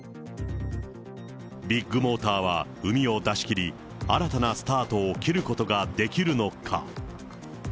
ビッグモーターはうみを出し切り、新たなスタートを切ることができるのか。